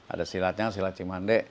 ada silatnya silat cimande